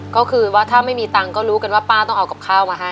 ก็คือว่าถ้าไม่มีตังค์ก็รู้กันว่าป้าต้องเอากับข้าวมาให้